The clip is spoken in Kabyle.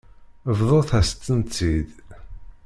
Bḍut-as-tent-id.